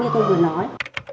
như tôi vừa nói